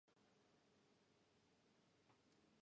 Presently the Group is involved in a very wide range of projects.